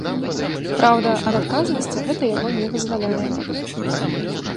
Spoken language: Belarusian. Праўда, ад адказнасці гэта яго не вызваляе.